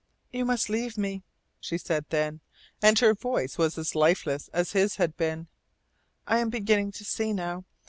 "You must leave me," she said then, and her voice was as lifeless as his had been. "I am beginning to see now.